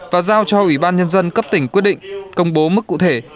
và giao cho ủy ban nhân dân cấp tỉnh quyết định công bố mức cụ thể